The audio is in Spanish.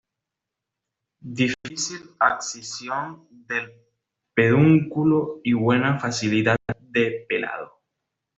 Difícil abscisión del pedúnculo y buena facilidad de pelado.